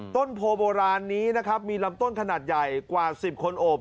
ต้นโพโบราณนี้นะครับมีลำต้นขนาดใหญ่กว่า๑๐คนโอบ